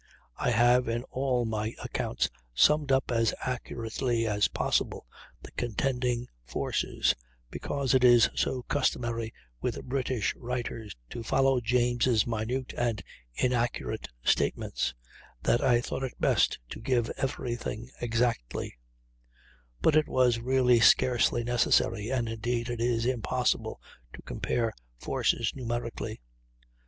I have in all my accounts summed up as accurately as possible the contending forces, because it is so customary with British writers to follow James' minute and inaccurate statements, that I thought it best to give every thing exactly; but it was really scarcely necessary, and, indeed, it is impossible to compare forces numerically.